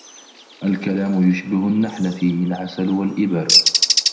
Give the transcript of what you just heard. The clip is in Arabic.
الكلام يشبه النحل فيه العسل والإبر.